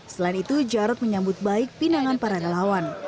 selain itu jarod menyambut baik pinangan para relawan